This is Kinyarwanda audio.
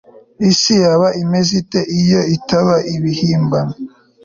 isi yaba imeze ite iyo itaba ibihimbano